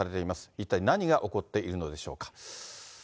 一体何が起こっているのでしょうか。